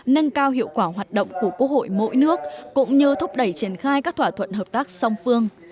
nâng cao hiệu quả hoạt động của quốc hội mỗi nước cũng như thúc đẩy triển khai các thỏa thuận hợp tác song phương